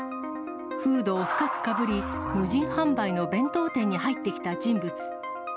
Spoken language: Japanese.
フードを深くかぶり、無人販売の弁当店に入ってきた人物。